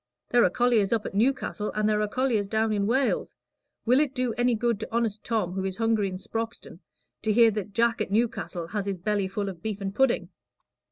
There are colliers up at Newcastle, and there are colliers down in Wales. Will it do any good to honest Tom, who is hungry in Sproxton, to hear that Jack at Newcastle has his belly full of beef and pudding?"